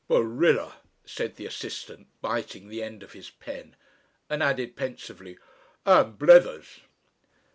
"Barilla," said the assistant, biting the end of his pen, and added pensively, "and blethers."